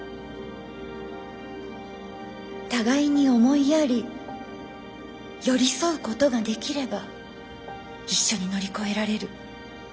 「互いに思いやり寄り添うことができれば一緒に乗り越えられる」。